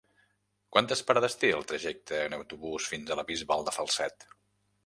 Quantes parades té el trajecte en autobús fins a la Bisbal de Falset?